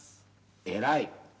偉い！